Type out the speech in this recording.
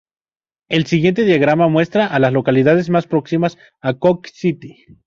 El siguiente diagrama muestra a las localidades más próximas Cooke City.